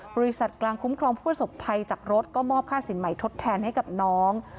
บริษัทกลางคุ้มครองผู้สบภัยจากรถก็มอบค่าสินใหม่ทดแทนให้กับน้อง